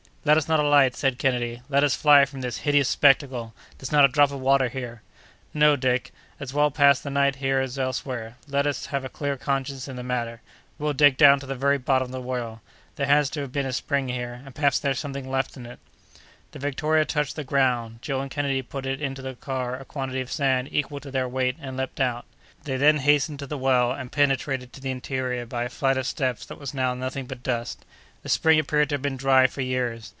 "Let us not alight!" said Kennedy, "let us fly from this hideous spectacle! There's not a drop of water here!" "No, Dick, as well pass the night here as elsewhere; let us have a clear conscience in the matter. We'll dig down to the very bottom of the well. There has been a spring here, and perhaps there's something left in it!" The Victoria touched the ground; Joe and Kennedy put into the car a quantity of sand equal to their weight, and leaped out. They then hastened to the well, and penetrated to the interior by a flight of steps that was now nothing but dust. The spring appeared to have been dry for years.